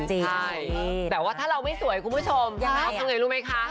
ใช่แต่ว่าถ้าเราไม่สวยคุณผู้ชมเขาทำไงรู้ไหมคะ